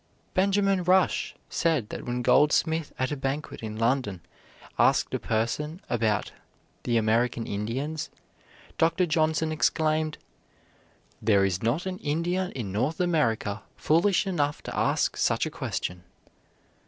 Benjamin Rush said that when Goldsmith at a banquet in London asked a question about "the American Indians," Dr. Johnson exclaimed: "There is not an Indian in North America foolish enough to ask such a question."